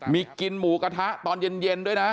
มีกินหมูกระทะตอนเย็นด้วยนะ